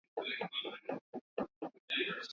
kuzidiwa kwa kura chache na mpinzani wake